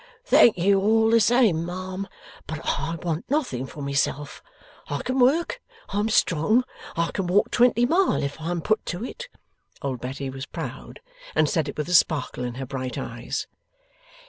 'Thank you all the same, ma'am, but I want nothing for myself. I can work. I'm strong. I can walk twenty mile if I'm put to it.' Old Betty was proud, and said it with a sparkle in her bright eyes.